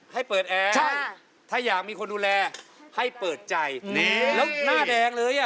ให้เปิดแอร์นะครับถ้าอยากมีคนดูแลให้เปิดใจแล้วหน้าแดงเลย